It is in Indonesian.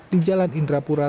di jalan indrapura